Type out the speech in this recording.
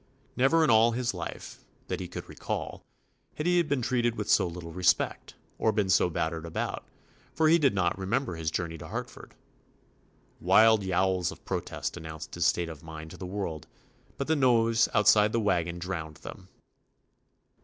Never in all his life, that he could recall, had he been treated with so little respect, or been so battered about, for he did not remember his journey to Hartford. 74 TOMMY POSTOFFICE Wild yowls of protest announced his state of mind to the world, but the noise outside the wagon drowned them.